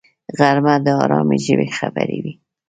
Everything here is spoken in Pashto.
غرمه د آرامي ژبې خبرې وي